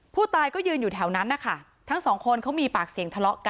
ผู้ตายก็ยืนอยู่แถวนั้นนะคะทั้งสองคนเขามีปากเสียงทะเลาะกัน